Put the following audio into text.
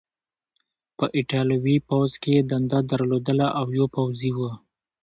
په ایټالوي پوځ کې یې دنده درلودله او یو پوځي و.